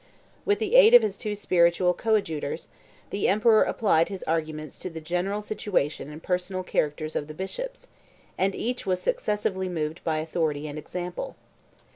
With the aid of his two spiritual coadjutors, the emperor applied his arguments to the general situation and personal characters of the bishops, and each was successively moved by authority and example.